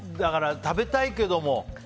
食べたいけども。